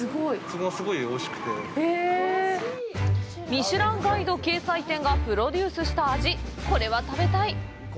ミシュランガイド掲載店がプロデュースした味、これは食べたい！